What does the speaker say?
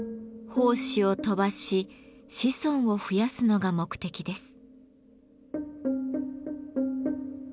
胞子を飛ばし子孫を増やすのが目的です。